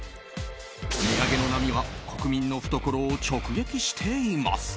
値上げの波は国民の懐を直撃しています。